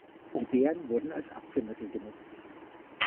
Die Beeren wurden als Abführmittel genutzt.